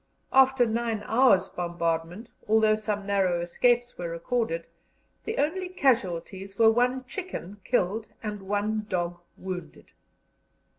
After nine hours' bombardment, although some narrow escapes were recorded, the only casualties were one chicken killed and one dog wounded.